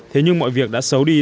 thế nhưng mọi việc đã xấu đi